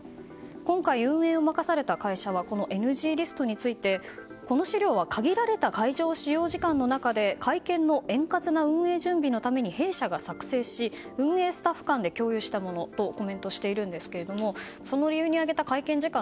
今回、運営を任された会社はＮＧリストについてこの資料は限られた会場使用時間の中で会見の円滑な運営準備のために弊社が作成し運営スタッフ間で共有したものとコメントしているんですがその理由に挙げた会見時間。